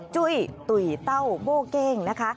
จุ้ยตุ๋ยเต้าโบ้เก้งนะคะ